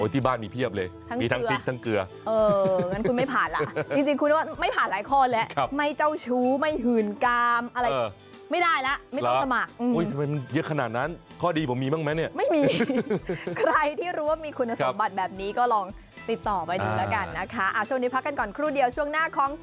ที่บ้านมีเพียบเลยมีทั้งติ๊กทั้งเกลือ